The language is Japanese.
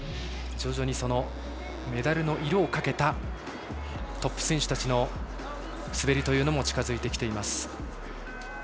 徐々にメダルの色をかけたトップ選手たちの滑りも近づいてきています。